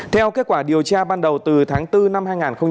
theo kết quả điều tra ban đầu từ tháng bốn năm hai nghìn một mươi bảy